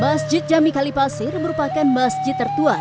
masjid jami kalipasir merupakan masjid tertua